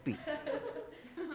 yang lelaki kan rata rata kerja